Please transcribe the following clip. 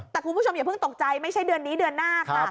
แต่คุณผู้ชมอย่าเพิ่งตกใจไม่ใช่เดือนนี้เดือนหน้าค่ะ